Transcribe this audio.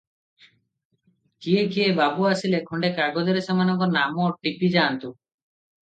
କିଏ କିଏ ବାବୁ ଆସିଲେ, ଖଣ୍ଡେ କାଗଜରେ ସେମାନଙ୍କ ନାମ ଟିପିଯାଆନ୍ତୁ ।"